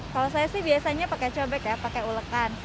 kalau saya sih biasanya pakai cobek ya pakai ulekan